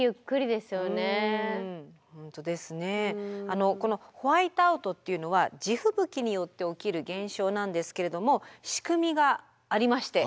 あのこのホワイトアウトというのは地吹雪によって起きる現象なんですけれども仕組みがありまして。